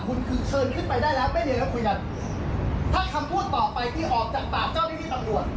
คุณคือเชิญขึ้นไปได้แล้วไม่มีแล้วคุยกันถ้าคำพูดต่อไปที่ออกจากปากเจ้าหน้าที่ตำรวจ